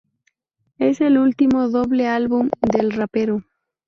Es el último doble álbum del rapero.